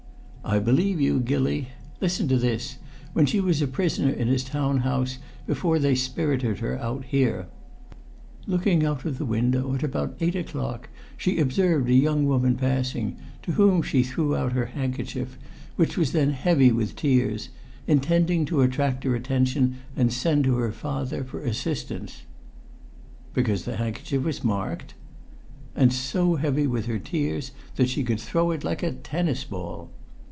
"I believe you, Gilly. Listen to this, when she was a prisoner in his town house, before they spirited her out here 'Looking out of the window at about eight o'clock, she observed a young woman passing, to whom she threw out her handkerchief, which was then heavy with tears, intending to attract her attention and send to her father for assistance.'" "Because the handkerchief was marked?" "And so heavy with her tears that she could throw it like a tennis ball!"